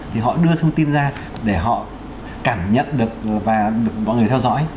thì họ đưa thông tin ra để họ cảm nhận được và mọi người theo dõi